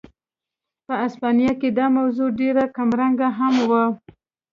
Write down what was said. په هسپانیا کې دا موضوع ډېره کمرنګه هم وه.